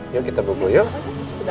yuk kita buku yuk